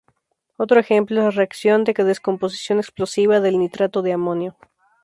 Otro ejemplo es la reacción de descomposición explosiva del nitrato de amonio.